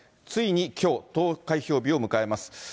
ついにきょう、投開票日を迎えます。